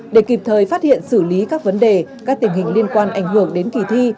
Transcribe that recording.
để kịp thời phát hiện xử lý các vấn đề các tình hình liên quan ảnh hưởng đến kỳ thi